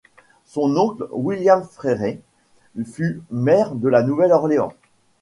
Son oncle, William Fréret, fut maire de La Nouvelle-Orléans.